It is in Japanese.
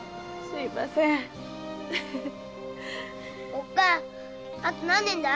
おっ母あと何年だ？